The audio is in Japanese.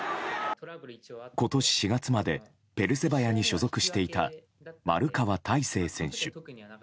今年４月までペルセバヤに所属していた丸川太誠選手。